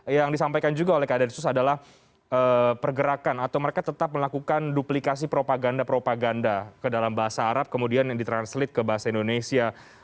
yang disampaikan juga oleh kak densus adalah pergerakan atau mereka tetap melakukan duplikasi propaganda propaganda ke dalam bahasa arab kemudian yang ditranslate ke bahasa indonesia